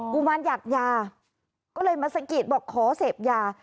กุมารหยัดยาก็เลยมาสังกิจบอกขอเสพยา